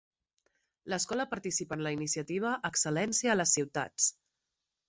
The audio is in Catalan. L'escola participa en la iniciativa "Excel·lència a les ciutats".